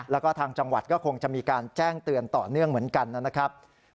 แล้วก็ทางจังหวัดก็คงจะมีการแจ้งเตือนต่อเนื่องเหมือนกันนะครับ